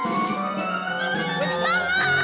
terima kasih kak